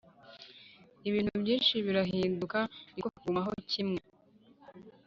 ibintu byinshi birahinduka, niko bigumaho kimwe